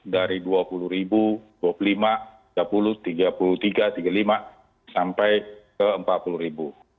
dari dua puluh ribu dua puluh lima tiga puluh tiga puluh tiga tiga puluh lima sampai ke empat puluh ribu